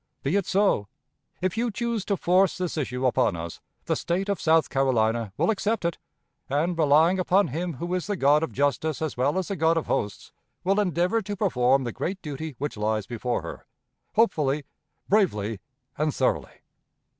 Be it so. If you choose to force this issue upon us, the State of South Carolina will accept it, and, relying upon Him who is the God of justice as well as the God of hosts, will endeavor to perform the great duty which lies before her, hopefully, bravely, and thoroughly.